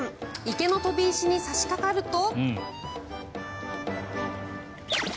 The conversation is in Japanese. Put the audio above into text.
池の飛び石に差しかかると。